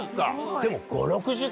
でも。